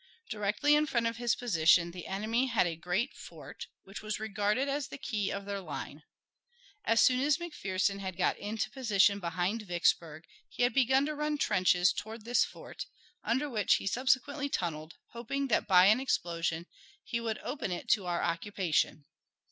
Directly in front of his position the enemy had a great fort which was regarded as the key of their line. As soon as McPherson had got into position behind Vicksburg he had begun to run trenches toward this fort, under which he subsequently tunneled, hoping that by an explosion he would open it to our occupation.